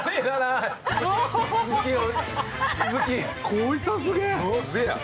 こいつはすげえ。